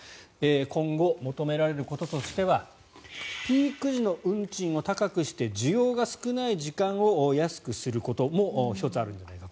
今後、求められることとしてはピーク時の運賃を高くして需要が少ない時間を安くすることも１つあるんじゃないか。